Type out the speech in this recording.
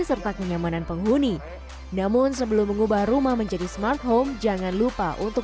serta kenyamanan penghuni namun sebelum mengubah rumah menjadi smart home jangan lupa untuk